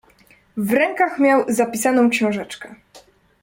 "W rękach miał zapisaną książeczkę."